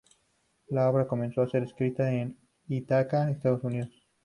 La obra comenzó a ser escrita en Ithaca, Estados Unidos.